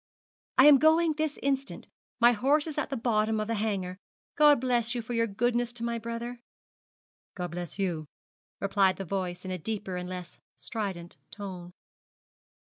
'I am going this instant, my horse is at the bottom of the Hanger. God bless you for your goodness to my brother.' 'God bless you,' replied the voice in a deeper and less strident tone.